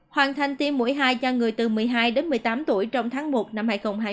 hoàn thành tiêm mũi hai cho người từ một mươi hai đến một mươi tám tuổi trong tháng một năm hai nghìn hai mươi